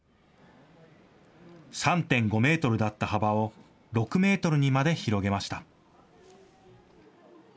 ３．５メートルだった幅を６メートルにまで広げました。